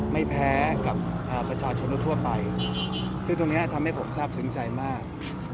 ไม่แพ้กับประชาชนทั่วไปซึ่งตรงนี้ทำให้ผมทราบซึ้งใจมาก